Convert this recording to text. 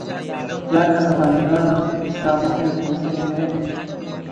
کیا کیا کہانیاںان شاموںسے منسلک ہیں۔